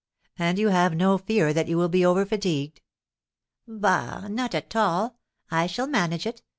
"And you have no fear that you will be overfatigued?" "Bah! Not at all; I shall manage it.